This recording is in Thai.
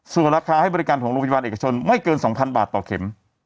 ส่วนราคาให้บริการของโรงพยาบาลเอกชนไม่เกิน๒๐๐บาทต่อเข็ม